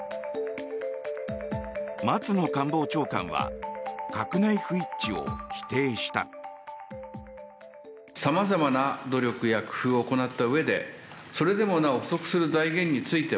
松野官房長官は閣内不一致を否定した。